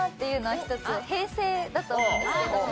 平成だと思うんですけど。